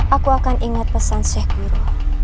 aku akan ingat pesan sheikh guru